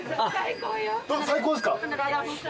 最高ですか？